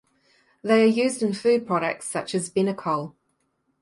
They are used in food products such as Benecol.